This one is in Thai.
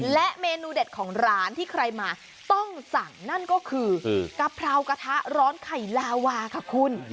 และเมนูเด็ดของร้านที่ใครมาต้องสั่งนั่นก็คือกะเพรากระทะร้อนไข่ลาวาค่ะคุณ